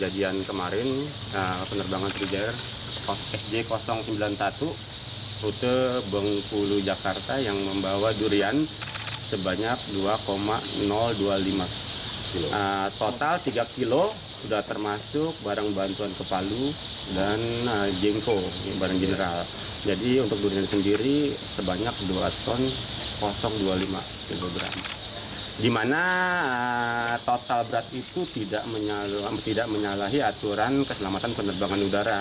di mana total berat itu tidak menyalahi aturan keselamatan penerbangan udara